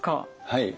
はい。